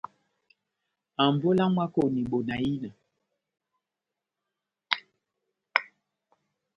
Ambolo ya mwákoni bona ina!